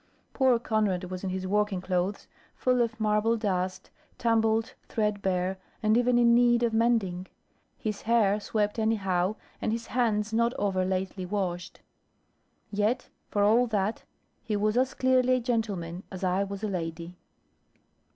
Poor Conrad was in his working clothes, full of marble dust, tumbled, threadbare, and even in need of mending; his hair swept anyhow, and his hands not over lately washed. Yet, for all that, he was as clearly a gentleman, as I was a lady.